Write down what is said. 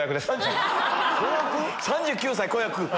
子役⁉３９歳子役。